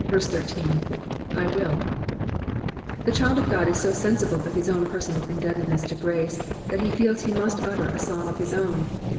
13 *'/ toUV The child of God is so sensible of his own personal indebted ness to grace, that he feels he must utter a song of his own.